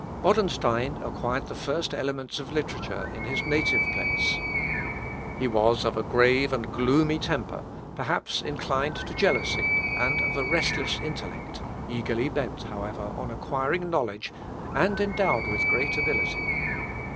Bodenstein acquired the first elements of literature in his native place. He was of a grave and gloomy temper, perhaps inclined to jealousy, and of a restless intellect, eagerly bent, however, on acquiring knowledge, and endowed with great ability.